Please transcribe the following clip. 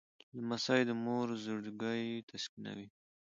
لمسی د مور زړګی تسکینوي.